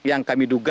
yang kami duga